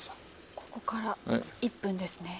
ここから１分ですね。